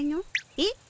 えっ？